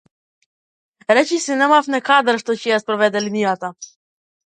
Речиси немаме кадар што ќе ја спроведе линијата.